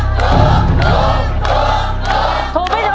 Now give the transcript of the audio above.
ถูกมั้ยหยุ่ง